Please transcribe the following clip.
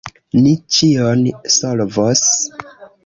Ni ĉion solvos.